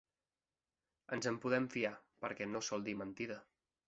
Ens en podem fiar, perquè no sol dir mentida.